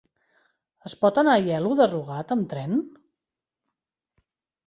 Es pot anar a Aielo de Rugat amb tren?